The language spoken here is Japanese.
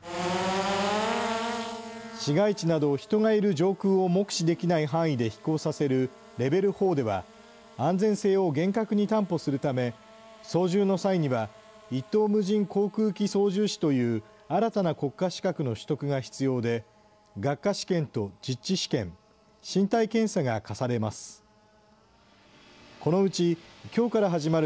市街地など、人がいる上空を目視できない範囲で飛行させるレベル４では、安全性を厳格に担保するため、操縦の際には、一等無人航空機操縦士という新たな国家資格の取得が必要で、学科試験と実地試験、身体検査が課されます。